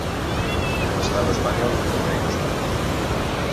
O Estado español, o Reino español.